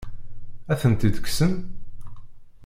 Ad ten-id-kksen?